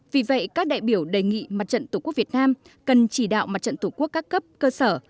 vì vậy các đại biểu đề nghị mặt trận tổ quốc việt nam cần chỉ đạo mặt trận tổ quốc các cấp cơ sở